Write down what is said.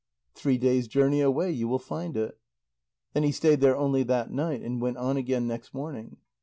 "Three days' journey away you will find it." Then he stayed there only that night, and went on again next morning.